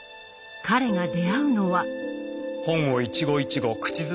彼が出会うのは。